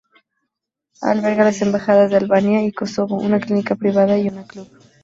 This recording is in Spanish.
Alberga las embajadas de Albania y Kosovo, una clínica privada, y una club.